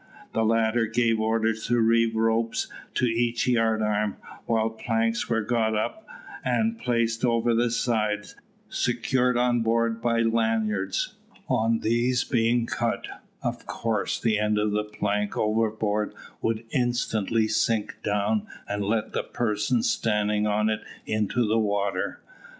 The latter gave orders to reeve ropes to each yard arm, while planks were got up and placed over the sides, secured on board by lanyards. On these being cut, of course the end of the plank overboard would instantly sink down and let the person standing on it into the water.